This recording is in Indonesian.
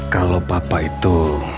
kalau papa itu